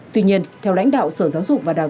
tuy nhiên theo lãnh đạo sở giáo dục và đại học